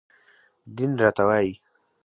دين راته وايي